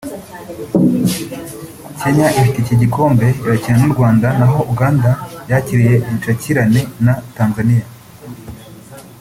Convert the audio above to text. Kenya ifite iki gikombe irakina n’u Rwanda naho Uganda yakiriye icakirane na Tanzania